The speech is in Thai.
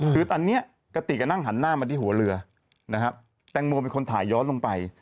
คือตอนนี้กระติกก็นั่งหันหน้ามาที่หัวเรือนะครับแตงโมเป็นคนถ่ายย้อนลงไป